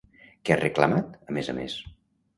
Què ha reclamat, a més a més?